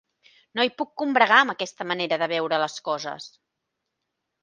No hi puc combregar, amb aquesta manera de veure les coses.